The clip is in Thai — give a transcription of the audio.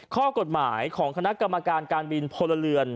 ข้อกฎหมายของคณะกรรมการการบินพลเรือน